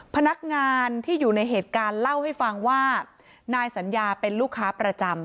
พนักงานที่อยู่ในเหตุการณ์เล่าให้ฟังว่านายสัญญาเป็นลูกค้าประจำ